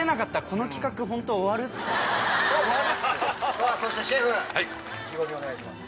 さぁそしてシェフ意気込みお願いします。